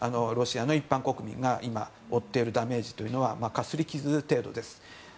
ロシアの一般国民が負っているダメージというのはかすり傷程度です。